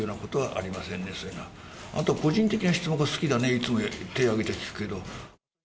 あんた個人的な質問が好きだね、いつもより、手を挙げて聞くけど。